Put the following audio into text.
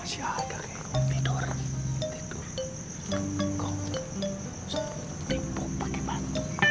kalau eros mewijinkan